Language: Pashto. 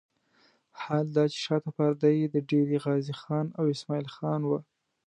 حال دا چې شاته پرده یې د ډېره غازي خان او اسماعیل خان وه.